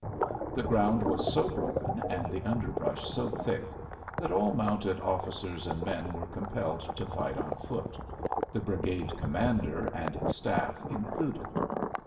The ground was so broken and the underbrush so thick that all mounted officers and men were compelled to fight on foot the brigade commander and his staff included.